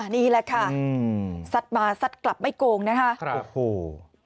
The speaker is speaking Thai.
นี่แหละค่ะสัตว์มาสัตว์กลับไม่โกงนะครับโอ้โฮ